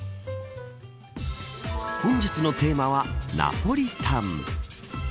本日のテーマはナポリタン。